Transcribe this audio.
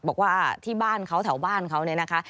บอกว่าที่บ้านเขาแถวบ้านเขาเนี่ยนะคะ